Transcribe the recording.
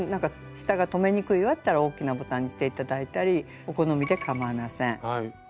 下が留めにくいわっていったら大きなボタンにして頂いたりお好みでかまいません。